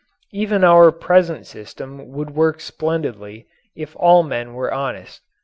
Even our present system would work splendidly if all men were honest.